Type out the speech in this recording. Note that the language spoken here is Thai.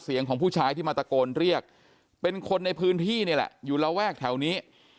ของผู้ชายที่มาตะโกนเรียกเป็นคนในพื้นที่นี่แหละอยู่ระแวกแถวนี้